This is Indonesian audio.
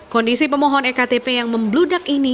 kondisi pemohon ektp yang membludak ini